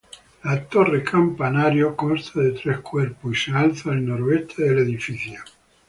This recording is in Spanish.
La torre-campanario consta de tres cuerpos y se alza al noroeste del edificio.